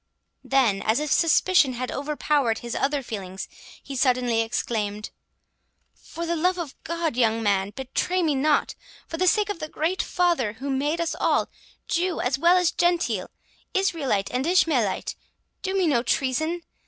Then, as if suspicion had overpowered his other feelings, he suddenly exclaimed, "For the love of God, young man, betray me not—for the sake of the Great Father who made us all, Jew as well as Gentile, Israelite and Ishmaelite—do me no treason!